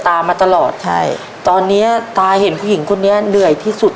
ทับผลไม้เยอะเห็นยายบ่นบอกว่าเป็นยังไงครับ